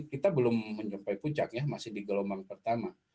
kita belum menyampaikan puncaknya masih di gelombang pertama